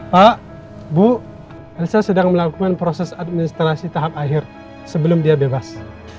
pak bu elsa sedang melakukan proses administrasi tahap akhir sebelum dia bebas